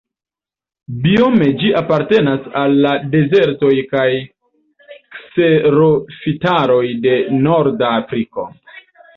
Biome ĝi apartenas al la dezertoj kaj kserofitaroj de norda Afriko.